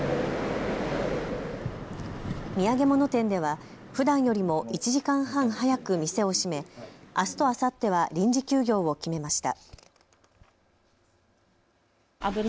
土産物店ではふだんよりも１時間半早く店を閉め、あすとあさっては臨時休業を決めました。